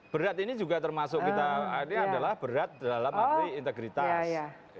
berat ini juga termasuk kita ini adalah berat dalam arti integritas